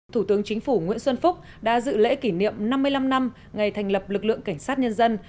thủ tướng chính phủ nguyễn xuân phúc đã dự lễ kỷ niệm năm mươi năm năm ngày thành lập lực lượng cảnh sát nhân dân